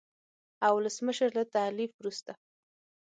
او ولسمشر له تحلیف وروسته